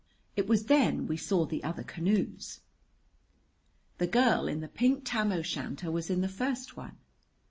It was then we saw the other canoes. The girl in the pink tam o' shanter was in the first one.